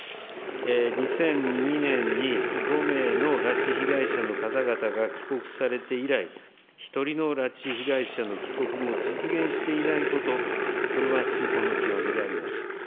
２００２年に５名の拉致被害者の方々が帰国されて以来、一人の拉致被害者の帰国も実現していないこと、これは痛恨の極みであります。